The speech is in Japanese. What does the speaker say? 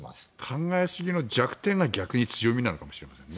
考えすぎの弱点が逆に強みなのかもしれないですね